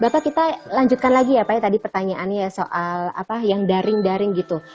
bapak kita lanjutkan lagi ya pak ya tadi pertanyaannya soal apa yang daring daring gitu